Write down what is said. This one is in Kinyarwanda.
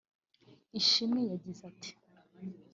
Ishimwe yagize ati